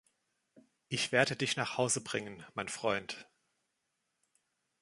Ich werde dich nach Hause bringen, mein Freund.